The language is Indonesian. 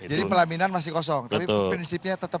jadi pelaminan masih kosong tapi prinsipnya tetap